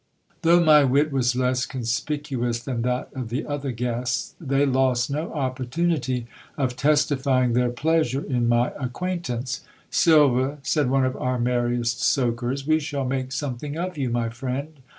Though my wit was less conspicuous than that of the other guests, ( they lost no opportunity of testifying their pleasure in my acquaintance. ^ Silva, said one of our merriest soakers,^ we shall make something of you, my friend.